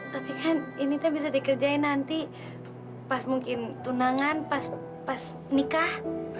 tapi kan ini teh bisa dikerjain nanti pas mungkin tunangan pas nikah